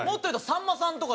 さんまさんそうか。